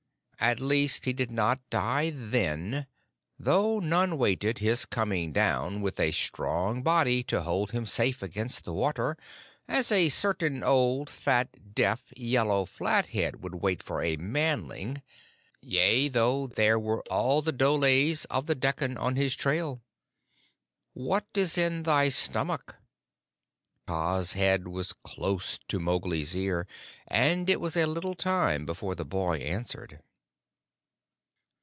"At least he did not die then, though none waited his coming down with a strong body to hold him safe against the water, as a certain old fat, deaf, yellow Flathead would wait for a Manling yea, though there were all the dholes of the Dekkan on his trail. What is in thy stomach?" Kaa's head was close to Mowgli's ear; and it was a little time before the boy answered.